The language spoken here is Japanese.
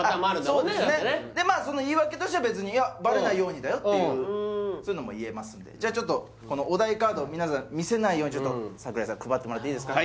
そうですねでまあその言い訳としては別にいやバレないようにだよっていうそういうのも言えますんでじゃあちょっとこのお題カードを皆さんに見せないようにちょっと櫻井さん配ってもらっていいですか？